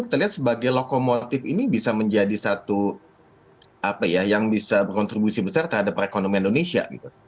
kita lihat sebagai lokomotif ini bisa menjadi satu apa ya yang bisa berkontribusi besar terhadap perekonomian indonesia